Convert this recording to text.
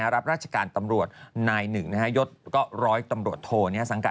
รับราชการตำรวจนาย๑ยดร้อยตำรวจโทร